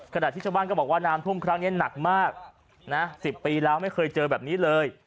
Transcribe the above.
ขณะที่ชาวบ้านก็บอกว่าน้ำท่วมครั้งนี้หนักมากนะ๑๐ปีแล้วไม่เคยเจอแบบนี้เลย